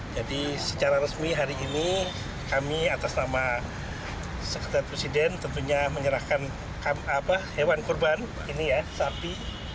secara resmi hari ini kami atas nama sekretaris presiden tentunya menyerahkan hewan kurban ini ya sapi